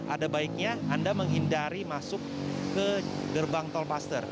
ada baiknya anda menghindari masuk ke gerbang tol paster